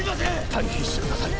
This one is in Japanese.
退避してください